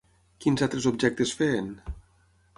Quins altres objectes feien?